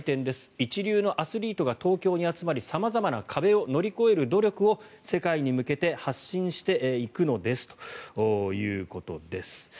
一流のアスリートが東京に集まり様々な壁を乗り越える努力を世界に向けて発信していくのですということです。